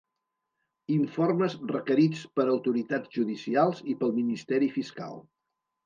Informes requerits per autoritats judicials i pel Ministeri Fiscal.